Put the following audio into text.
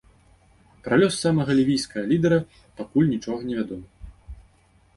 Пра лёс самага лівійскага лідара пакуль нічога невядома.